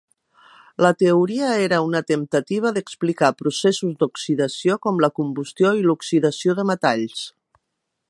La teoria era una temptativa d'explicar processos d’oxidació, com la combustió i l’oxidació de metalls.